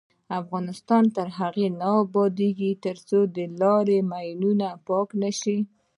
افغانستان تر هغو نه ابادیږي، ترڅو لارې له ماینونو پاکې نشي.